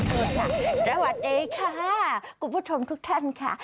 สวัสดีค่ะกุฎผู้ชมทุกท่านค่ะ